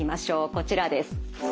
こちらです。